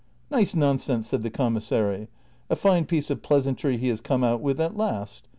" ivTice nonsense !" said the commissary ;'^ a fine piece of pleasantry he has come out with at last !